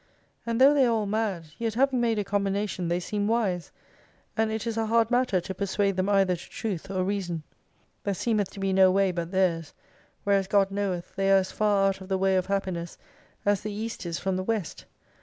And though they are all mad, yet having made a combination they seem wise ; and it is a hard matter to persuade them either to Truth or Reason. There seemeth to be no way, but theirs : whereas God knoweth they are as far out of the way of Happiness, as the East is from the West.